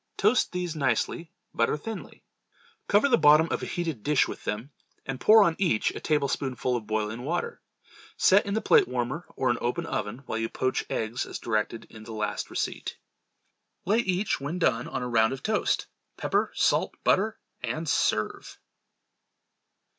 Toast these nicely, butter thinly; cover the bottom of a heated dish with them, and pour on each a tablespoonful of boiling water. Set in the plate warmer or an open oven while you poach eggs as directed in the last receipt. Lay each when done on a round of toast, pepper, salt and butter, and serve.